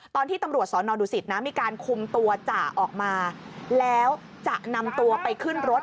ตอนที่ตำรวจสอนอดุสิตนะมีการคุมตัวจ่าออกมาแล้วจะนำตัวไปขึ้นรถ